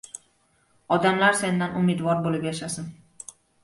— Odamlar sendan umidvor bo‘lib yashasin.